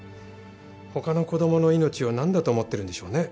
他の子供の命を何だと思ってるんでしょうね。